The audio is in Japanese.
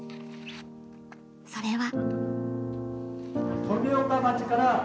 それは。